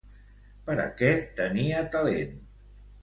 Per a què tenia talent?